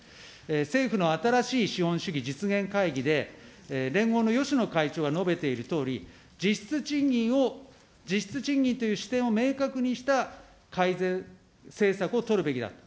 政府の新しい資本主義実現会議で連合のよしの会長が述べているとおり、実質賃金を、実質賃金という視点を明確にした改善政策を取るべきだと。